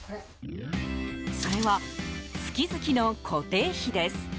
それは、月々の固定費です。